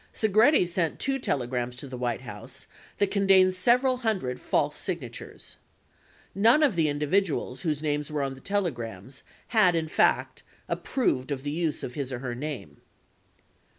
Segretti sent two telegrams to the White House that contained several hundred false signatures. None of the individuals whose names were on the telegrams had, in fact, approved of the use of his or her name.